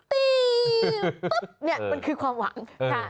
ตีตุ๊บเนี่ยมันคือความหวัง